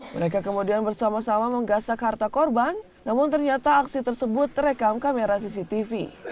mereka kemudian bersama sama menggasak harta korban namun ternyata aksi tersebut terekam kamera cctv